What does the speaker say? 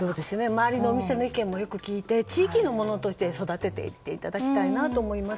周りのお店の意見もよく聞いて地域のものとして、育てていっていただきたいと思います。